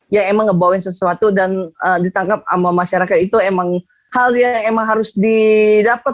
ya emang ngeboin sesuatu dan ditangkap sama masyarakat itu emang hal yang emang harus didapat